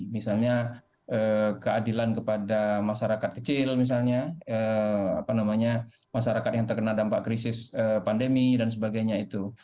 misalnya keadilan kepada masyarakat kecil misalnya masyarakat yang terkena dampak krisis pandemi dan sebagainya itu